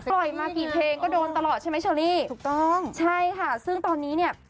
มากี่เพลงก็โดนตลอดใช่ไหมเชอรี่ถูกต้องใช่ค่ะซึ่งตอนนี้เนี่ย